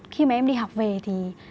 khi mà em đi học về thì